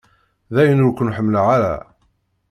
Dayen ur ken-ḥemmleɣ ara.